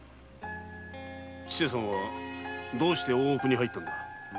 千勢さんはどうして大奥に入ったのだ？